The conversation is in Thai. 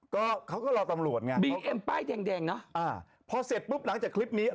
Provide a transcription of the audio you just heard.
ก็เขาก็รอตำรวจไงบีเอ็มป้ายแดงแดงเนอะอ่าพอเสร็จปุ๊บหลังจากคลิปนี้